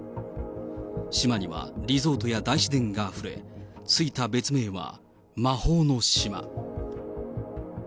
島にはリゾートや大自然があふれ、付いた別名は魔法の島。